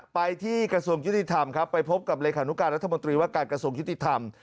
ไปที่กระทรวงยุติธรรมครับไปพบกับเลขานุการรัฐมนตรีว่าการกระทรวงยุติธรรม